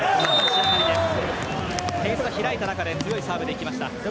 点差開いた中で強いサーブでいきました。